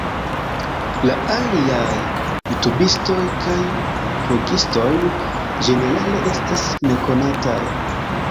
La aliaj jutubistoj kaj blogistoj ĝenerale estas nekonataj.